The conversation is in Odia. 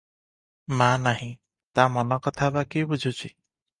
ମା ନାହିଁ, ତା ମନ କଥା ବା କିଏ ବୁଝୁଛି?